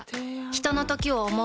ひとのときを、想う。